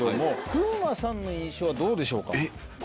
風磨さんの印象はどうでしょうか？